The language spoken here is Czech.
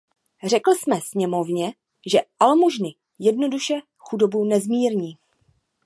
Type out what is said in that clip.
Řekl jsem sněmovně, že almužny jednoduše chudobu nezmírní.